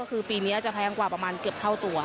คือปีนี้จนจะแพงกว่าเกือบแถวตัว